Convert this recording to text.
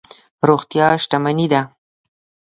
روغتیا شتمني ده.